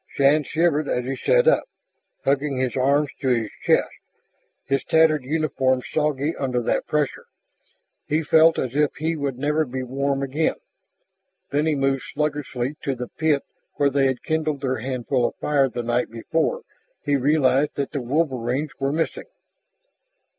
Shann shivered as he sat up, hugging his arms to his chest, his tattered uniform soggy under that pressure. He felt as if he would never be warm again. When he moved sluggishly to the pit where they had kindled their handful of fire the night before he realized that the wolverines were missing.